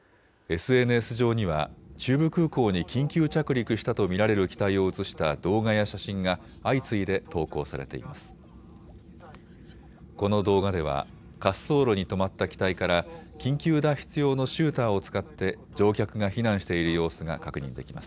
ＳＮＳ上には中部空港に緊急着陸したと見られる機体を映した動画や写真が相次いで投稿されています。